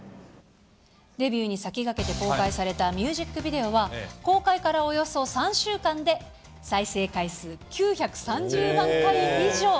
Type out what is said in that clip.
デビューに先駆けて公開されたミュージックビデオは、公開からおよそ３週間で、再生回数９３０万回以上。